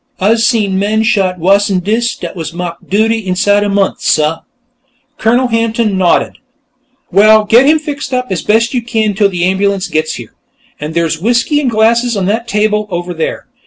"Ah's seen men shot wuss'n dis dat was ma'ked 'Duty' inside a month, suh." Colonel Hampton nodded. "Well, get him fixed up as best you can, till the ambulance gets here. And there's whiskey and glasses on that table, over there.